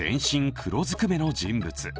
黒ずくめの人物。